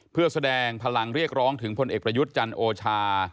เพื่อแสดงพลังเรียกร้องถึงพลเอกประยุทธ์จันทร์โอชา